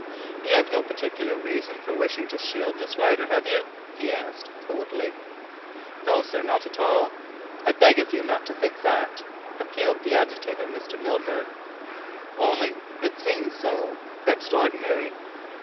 "You have no particular reason for wishing to shield Miss Rider, have you?" he asked coldly. "No, sir, not at all. I beg of you not to think that," appealed the agitated Mr. Milburgh, "only it seems so extraordinary."